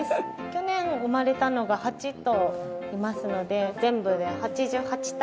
去年生まれたのが８頭いますので全部で８８頭